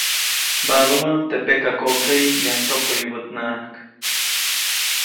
Mbaʼdumäjt teʼ pekakoʼkäyi yajktokoyubäʼtnaʼajk.